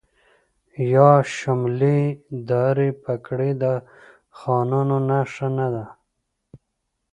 آیا شملې دارې پګړۍ د خانانو نښه نه ده؟